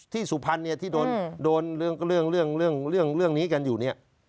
ที่สุพรรณที่โดนเรื่องนี้กันอยู่นี่